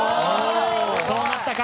そうなったか！